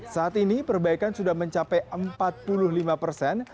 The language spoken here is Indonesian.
saat ini perbaikan sudah mencapai empat puluh lima persen